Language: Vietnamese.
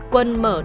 quân mở đầu tiên